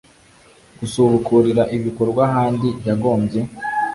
Gusubukurira ibikorwa ahandi yagombye